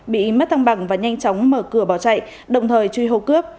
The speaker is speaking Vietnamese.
bị mất thăng bằng và nhanh chóng mở cửa bỏ chạy đồng thời truy hô cướp